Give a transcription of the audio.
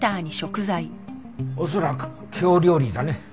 恐らく京料理だね。